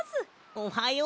おはよう。